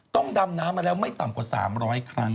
ดำน้ำมาแล้วไม่ต่ำกว่า๓๐๐ครั้ง